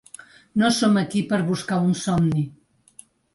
No som aquí per buscar un somni.